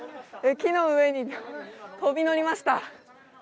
木の上に飛び乗りました。